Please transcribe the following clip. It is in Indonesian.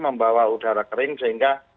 membawa udara kering sehingga